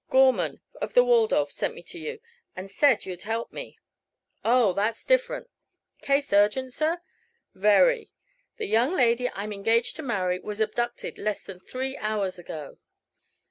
"Gorman, of the Waldorf, sent me to you and said you'd help me." "Oh; that's different. Case urgent, sir?" "Very. The young lady I'm engaged to marry was abducted less than three hours ago."